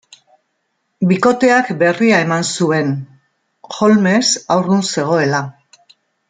Bikoteak berria eman zuten, Holmes haurdun zegoela.